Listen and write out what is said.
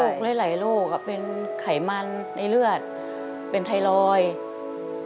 หลายหลายโรคอ่ะเป็นไขมันในเลือดเป็นไทรอยด์